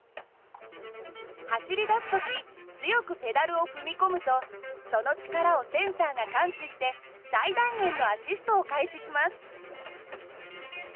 走り出す時強くペダルを踏み込むとその力をセンサーが感知して最大限のアシストを開始します。